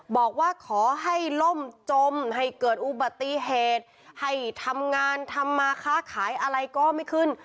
บอกว่าขอให้ล่มจมให้เกิดอุบัติเหตุให้ทำงานทำมาค้าขายอะไรก็ไม่ขึ้น